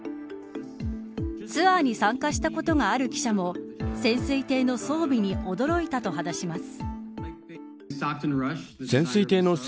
ツアーに参加したことがある記者も潜水艇の装備に驚いたと話します。